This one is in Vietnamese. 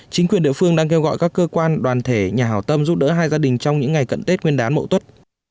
chính quyền địa phương đang kêu gọi các cơ quan đoàn thể nhà hào tâm giúp đỡ hai gia đình trong những ngày cận tết nguyên đán mậu tuất